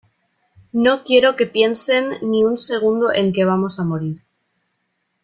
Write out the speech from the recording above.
no quiero que piensen ni un segundo en que vamos a morir.